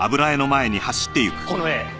この絵。